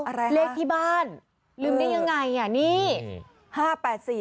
อะไรฮะเลขที่บ้านลืมได้ยังไงอ่ะนี่นี่นี่